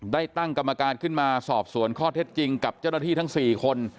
ได้ตั้งกรรมการขึ้นมาสอบสวนข้อเท็จจริงกับเจ้าหน้าที่ทั้ง๔คน